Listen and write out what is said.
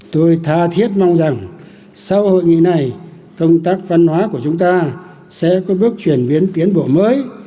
tôi tha thiết mong rằng sau hội nghị này công tác văn hóa của chúng ta sẽ có bước chuyển biến tiến bộ mới